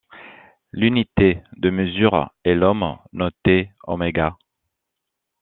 L'unité de mesure est l'ohm, noté Ω.